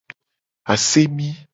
Asemi.